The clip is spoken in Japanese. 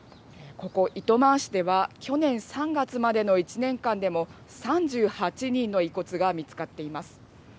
ここ、糸満市では、去年３月までの１年間でも、３８人の遺骨が見つかっています。